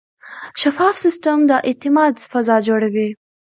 شفاف سیستم د اعتماد فضا جوړوي.